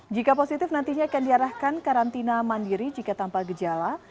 jika positif nantinya akan diarahkan karantina mandiri jika tanpa gejala